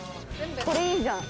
これいいじゃん。